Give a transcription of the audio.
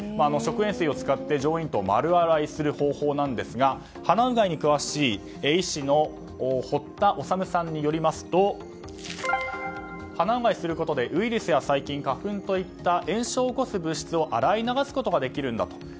食塩水を使って上咽頭を丸洗いする方法なんですが鼻うがいに詳しい医師の堀田修さんによりますと鼻うがいすることでウイルスや細菌、花粉といった炎症を起こす物質を洗い流すことができるんだと。